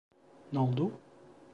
N'oldu?